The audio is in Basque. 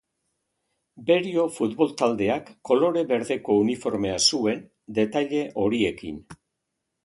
Berio Futbol taldeak kolore berdeko uniformea zuen, detaile horiekin.